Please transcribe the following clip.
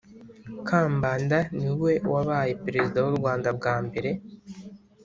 kambanda niwe wabaye perezida w’urwanda bwa mbere